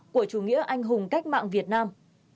của chủ nghĩa anh hùng cách mạng việt nam